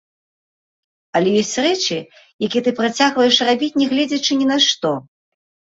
Але ёсць рэчы, якія ты працягваеш рабіць, нягледзячы ні на што.